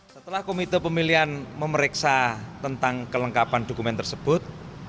setelah komite pemilihan memeriksa tentang kelengkapan dokumen tersebut